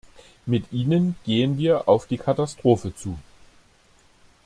Mit ihnen gehen wir auf die Katastrophe zu.